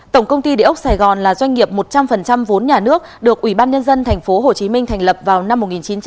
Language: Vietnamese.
tổng công ty địa ốc sài gòn là doanh nghiệp một trăm linh vốn nhà nước được ủy ban nhân dân tp hcm thành lập vào năm một nghìn chín trăm bảy mươi